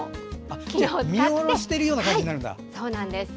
見下ろしてるような感じになるんだ。